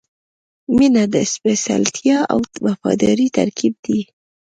• مینه د سپېڅلتیا او وفادارۍ ترکیب دی.